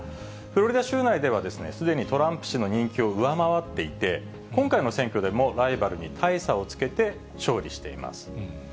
フロリダ州内ではですね、すでにトランプ氏の人気を上回っていて、今回の選挙でもライバルに大差をつけて勝利しています。